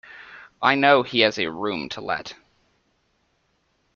I know he has a room to let.